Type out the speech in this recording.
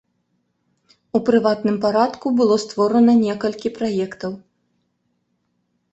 У прыватным парадку было створана некалькі праектаў.